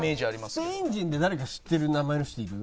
スペイン人で誰か知ってる名前の人いる？